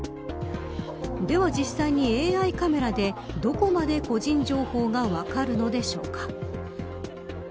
では、実際にＡＩカメラでどこまで個人情報が分かるのでしょうか。